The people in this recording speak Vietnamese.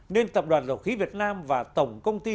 nên tập đoàn dầu khí việt nam và tổng công ty